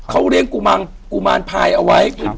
อยู่ที่แม่ศรีวิรัยิลครับ